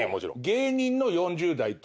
芸人の４０代と。